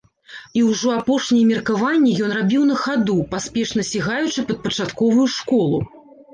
І ўжо апошнія меркаванні ён рабіў на хаду, паспешна сігаючы пад пачатковую школу.